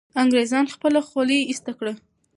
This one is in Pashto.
انګریزان خپله خولۍ ایسته کوي.